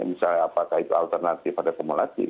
misalnya apakah itu alternatif atau kumulatif